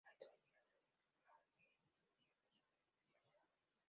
A esto hay que agregar que exigía personal especializado.